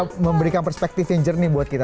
untuk memberikan perspektif yang jernih buat kita